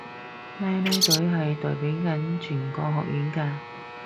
啦啦隊係代表緊全個學院㗎